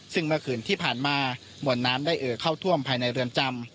ซึ่งเมื่อคืนที่ผ่านมามวลน้ำได้เอ่อเข้าท่วมภายในเรือนจำ